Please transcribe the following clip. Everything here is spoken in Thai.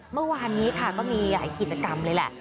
เมื่อวานนี้ค่ะก็มีหลายกิจกรรมเลยแหละ